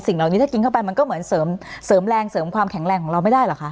เหล่านี้ถ้ากินเข้าไปมันก็เหมือนเสริมแรงเสริมความแข็งแรงของเราไม่ได้เหรอคะ